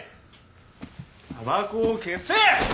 たばこを消せ！